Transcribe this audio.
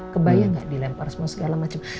kebayang gak dilempar semua segala macam